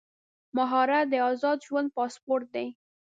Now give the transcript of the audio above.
مهارت د ازاد ژوند پاسپورټ دی.